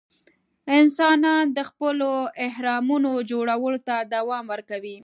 انسانان د خپلو اهرامونو جوړولو ته دوام ورکوي.